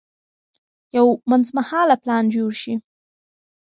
یو منځمهاله پلان جوړ شي.